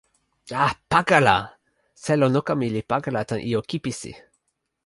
a, pakala! selo noka mi li pakala tan ijo kipisi.